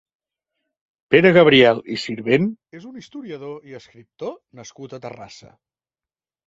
Pere Gabriel i Sirvent és un historiador i escriptor nascut a Terrassa.